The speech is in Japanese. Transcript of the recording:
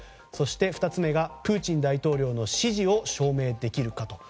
そして、２つ目がプーチン大統領の指示を証明できるか。